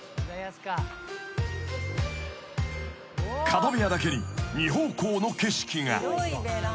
［角部屋だけに２方向の景色が］